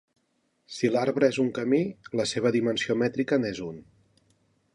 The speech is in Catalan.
Si l'arbre és un camí, la seva dimensió mètrica n'és un.